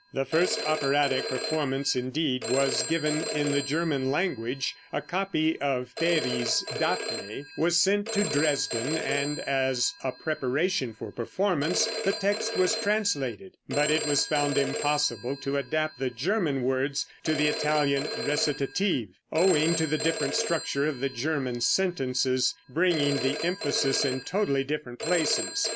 The first operatic performance, indeed, was given in the German language. A copy of Peri's "Dafne" was sent to Dresden and as a preparation for performance the text was translated, but it was found impossible to adapt the German words to the Italian recitative, owing to the different structure of the German sentences, bringing the emphasis in totally different places.